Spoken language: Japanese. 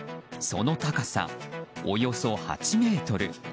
その高さ、およそ８ｍ。